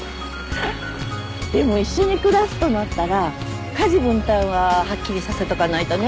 でも一緒に暮らすとなったら家事分担ははっきりさせとかないとね。